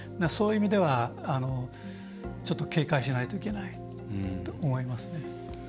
そういう意味では、ちょっと警戒しないといけないと思います。